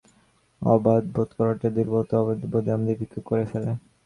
অভাববোধ করাটা দুর্বলতা, অভাববোধই আমাদের ভিক্ষুক করে ফেলে।